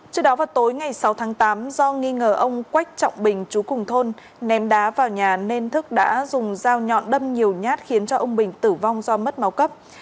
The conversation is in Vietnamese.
trước đó vào tối ngày sáu tháng tám do nghi ngờ ông quách trọng bình chú cùng thôn ném đá vào nhà nên thức đã dùng dao nhọn đâm nhiều nhát khiến ông bình tử vong do mất máu cấp